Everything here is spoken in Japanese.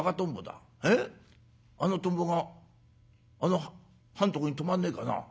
あのトンボがあの刃んとこに止まんねえかな。